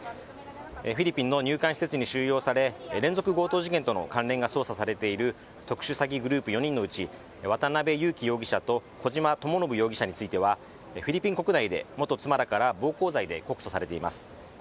フィリピンの入管施設に収容され、連続強盗事件との関連が捜査されている特殊詐欺グループ４人のうち渡辺優樹容疑者と小島智信容疑者についてはフィリピン国内で元妻らから暴行罪で告訴されています。